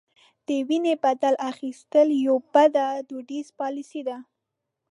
د وینو بدل اخیستل یوه بده دودیزه پالیسي ده.